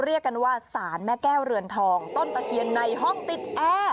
เรียกกันว่าสารแม่แก้วเรือนทองต้นตะเคียนในห้องติดแอร์